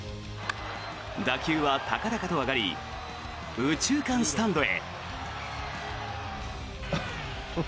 打球は高々と上がり右中間スタンドへ。